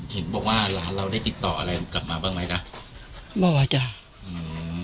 เห็นบอกว่าร้านเราได้ติดต่อกับมาบ้างไหมจ๊ะบอกว่าจ๊ะหืม